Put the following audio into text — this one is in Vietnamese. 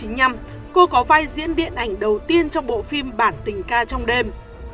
năm một nghìn chín trăm chín mươi năm cô có vai diễn điện ảnh đầu tiên trong bộ phim bản tình ca trong đêm